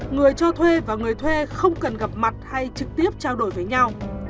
người cho thuê và người thuê không cần gặp mặt hay trực tiếp trao đổi với nhau